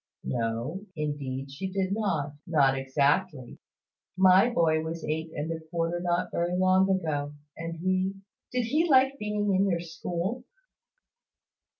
"No; indeed she did not, not exactly. My boy was eight and a quarter not very long ago; and he " "Did he like being in your school?"